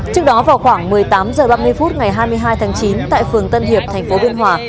trước đó vào khoảng một mươi tám h ba mươi phút ngày hai mươi hai tháng chín tại phường tân hiệp thành phố biên hòa